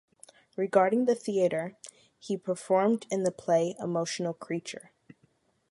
Regarding theatre, he performed in the play ‘Emotional Creature.’